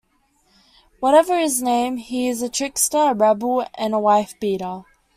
Whatever his name, he is a trickster, a rebel, and a wife beater.